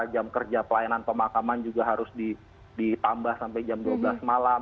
jam kerja pelayanan pemakaman juga harus ditambah sampai jam dua belas malam